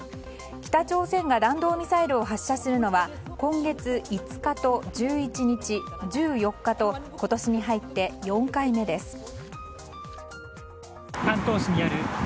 北朝鮮が弾道ミサイルを発射するのは今月５日と１１日、１４日と今年に入って４回目です。